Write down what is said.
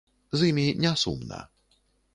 З імі не сумна.